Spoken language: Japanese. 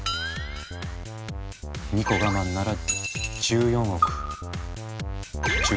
２個我慢なら１４億１０